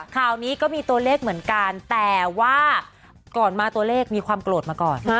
ข่าวนี้ก็มีตัวเลขเหมือนกันแต่ว่าก่อนมาตัวเลขมีความโกรธมาก่อน